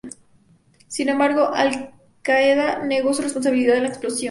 Sin embargo, Al Qaeda negó su responsabilidad en la explosión.